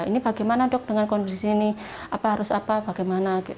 ini bagaimana dok dengan kondisi ini apa harus apa bagaimana